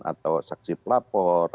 atau saksi pelapor